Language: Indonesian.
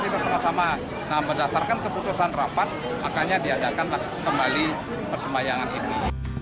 bersama sama nah berdasarkan keputusan rapat makanya diadakan kembali persembahyangan ini